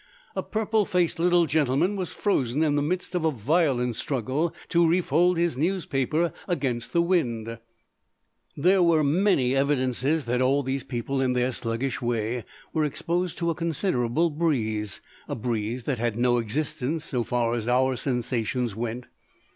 A purple faced little gentleman was frozen in the midst of a violent struggle to refold his newspaper against the wind; there were many evidences that all these people in their sluggish way were exposed to a considerable breeze, a breeze that had no existence so far as our sensations went.